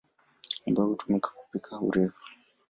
ambayo hutumika kupika urefu.